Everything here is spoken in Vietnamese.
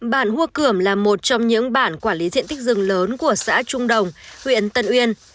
bản hua cường là một trong những bản quản lý diện tích rừng lớn của xã trung đồng huyện tân uyên